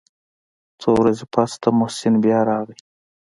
څو ورځې پس ته محسن بيا راغى.